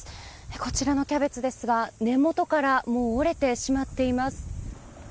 こちらのキャベツですが根元から折れてしまっています。